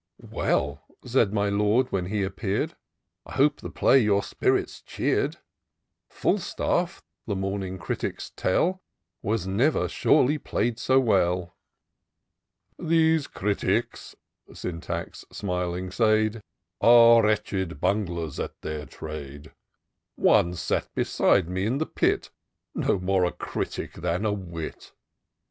"Well, said my Lord, when he appear'd, I hope the play your spirits cheerd ; Fi^Utaffj the morning critics teU, Was never surely play'd so welL " These critics," Syntax smiling said, Are wretched bunglers at their trade : One sat beside me in the pit. No more a critic than a wit